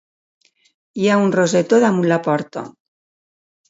Hi ha un rosetó damunt la porta.